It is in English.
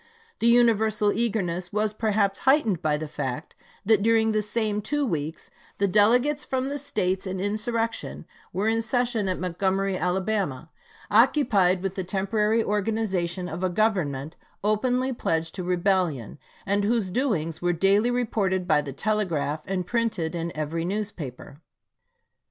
The universal eagerness was perhaps heightened by the fact that during the same two weeks the delegates from the States in insurrection were in session at Montgomery, Alabama, occupied with the temporary organization of a government openly pledged to rebellion, and whose doings were daily reported by the telegraph and printed in every newspaper.